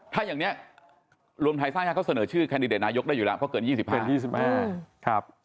ถ้าอย่างนี้รวมไทยสร้างชาติเขาเสนอชื่อแคนดิเดตนายกได้อยู่แล้วเพราะเกิน๒๕๒๕ครับ